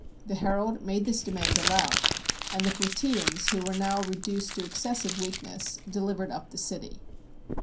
The herald made this demand aloud. And the Plataeans, who were now reduced to excessive weakness, delivered up the city.